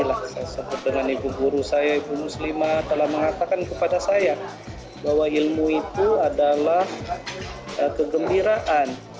saya sebut dengan ibu guru saya ibu muslimah telah mengatakan kepada saya bahwa ilmu itu adalah kegembiraan